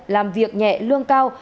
làm việc nhẹ lương cao